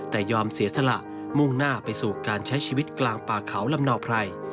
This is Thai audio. แต่ยอมเสียสละมุ่งหน้าไปสู่การใช้ชีวิตกลางป่าเขาลำเนาไพร